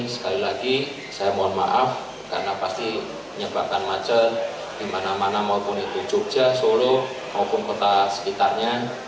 sekali lagi saya mohon maaf karena pasti menyebabkan macet di mana mana maupun itu jogja solo maupun kota sekitarnya